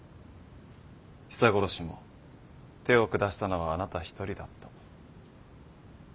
ヒサ殺しも手を下したのはあなた一人だったと。